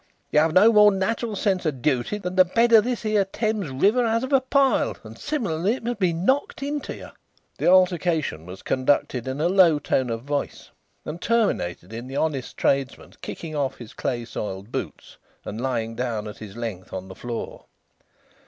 You have no more nat'ral sense of duty than the bed of this here Thames river has of a pile, and similarly it must be knocked into you." The altercation was conducted in a low tone of voice, and terminated in the honest tradesman's kicking off his clay soiled boots, and lying down at his length on the floor.